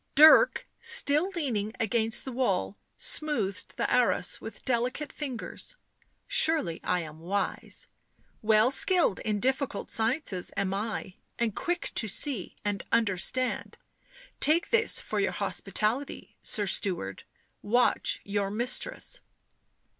Dirk, still leaning against the wall, smoothed the arras with delicate fingers. " Surely I am wise. Well skilled in difficult sciences am I, and quick to see — and understand — take this for your hospitality, sir steward — watch your mistress."